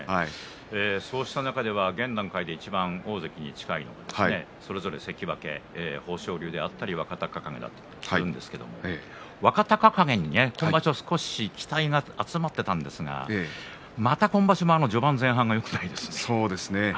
そうした中で現段階でいちばん大関に近いのはそれぞれ関脇豊昇龍であったり若隆景であったりするわけですが若隆景に今場所期待が集まっていたんですが今場所も序盤、前半はよくないですね。